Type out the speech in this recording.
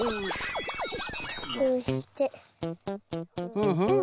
ふんふん。